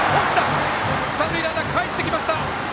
三塁ランナーかえってきました。